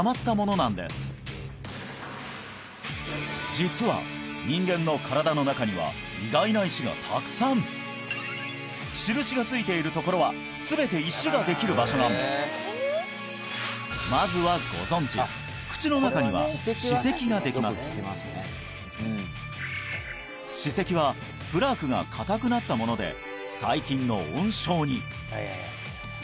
実は人間の印がついている所は全て石ができる場所なんですまずはご存じ口の中には歯石ができます歯石はプラークが固くなったもので細菌の温床に！